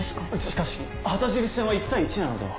しかし旗印戦は１対１なのでは？